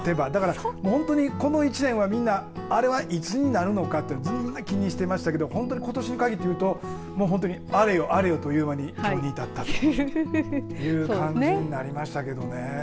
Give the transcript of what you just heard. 本当にこの１年はみんなアレはいつになるのかというのをずっと気にしていましたけどことしに限っていうとあれよあれよという間にきょうに至ったという感じになりましたけどね。